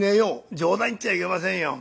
「冗談言っちゃいけませんよ。